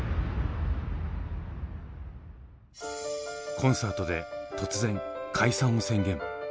コンサートで突然解散を宣言。